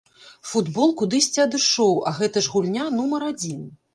Футбол кудысьці адышоў, а гэта ж гульня нумар адзін.